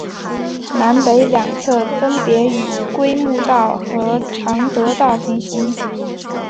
南北两侧分别与睦南道和常德道平行。